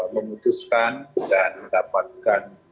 memutuskan dan mendapatkan